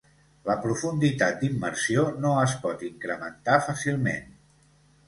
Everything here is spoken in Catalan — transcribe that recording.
La profunditat d’immersió no es pot incrementar fàcilment.